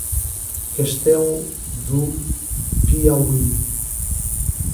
Castelo do Piauí